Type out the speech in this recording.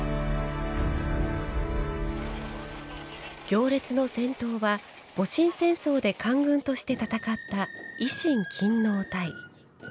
行列の先頭は戊辰戦争で官軍として戦った維新勤王隊。